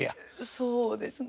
そうですね。